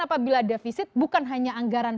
apabila defisit bukan hanya anggaran